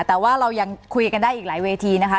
แต่ว่าเรายังคุยกันได้อีกหลายเวทีนะคะ